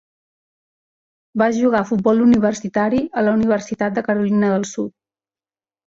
Va jugar a futbol universitari a la Universitat de Carolina del Sud.